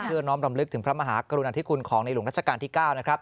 เพื่อน้องรำลึกถึงพระมหากรุณธิกุลของในหลวงรัชกาลที่๙